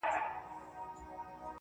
• الله ته لاس پورته كړو.